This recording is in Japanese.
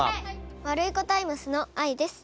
ワルイコタイムスのあいです。